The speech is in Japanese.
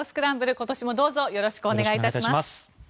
今年もどうぞよろしくお願いします。